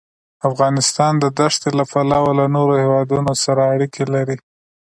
افغانستان د ښتې له پلوه له نورو هېوادونو سره اړیکې لري.